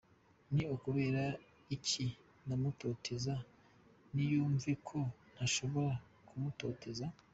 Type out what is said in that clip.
Ni ukubera iki namutoteza? Niyumve ko ntashobora kumutoteza”.